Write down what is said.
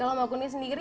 kalau mbak kuni sendiri